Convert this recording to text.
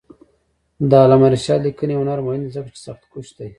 د علامه رشاد لیکنی هنر مهم دی ځکه چې سختکوش دی.